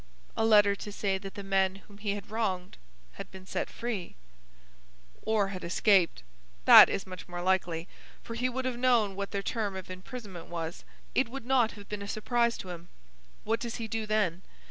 "A letter to say that the men whom he had wronged had been set free." "Or had escaped. That is much more likely, for he would have known what their term of imprisonment was. It would not have been a surprise to him. What does he do then?